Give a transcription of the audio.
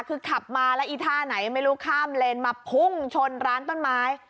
คือขับมาแล้วอีท่าไหนไม่รู้ข้ามเลนมาพุ่งชนร้านต้นไม้